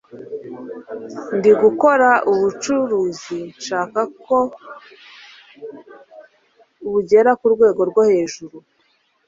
ndi gukora ubucuruzi nshaka ko bugera ku rwego rwo hejuru